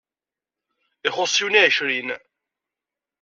Ixuṣṣ yiwen i ɛecrin.